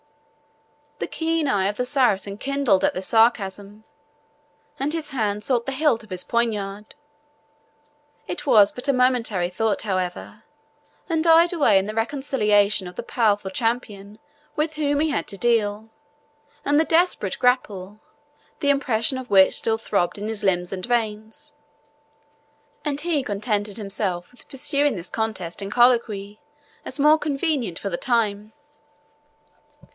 The keen eye of the Saracen kindled at this sarcasm, and his hand sought the hilt of his poniard. It was but a momentary thought, however, and died away in the recollection of the powerful champion with whom he had to deal, and the desperate grapple, the impression of which still throbbed in his limbs and veins; and he contented himself with pursuing the contest in colloquy, as more convenient for the time.